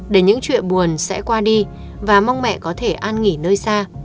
để những chuyện buồn sẽ qua đi và mong mẹ có thể an nghỉ nơi xa